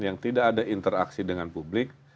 yang tidak ada interaksi dengan publik